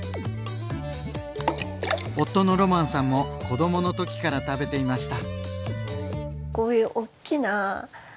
夫のロマンさんも子どものときから食べていました。